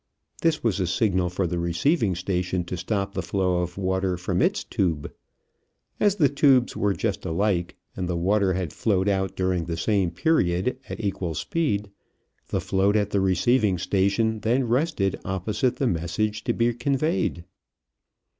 This was a signal for the receiving station to stop the flow of water from its tube. As the tubes were just alike, and the water had flowed out during the same period at equal speed, the float at the receiving station then rested opposite the message to be conveyed.